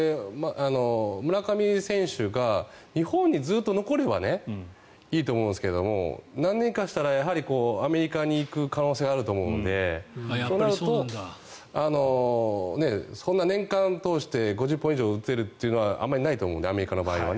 村上選手が日本にずっと残ればいいと思うんですけど何年かしたらやはりアメリカに行く可能性があると思うので年間通して５０本以上打てるというのはあまりないと思うのでアメリカの場合は。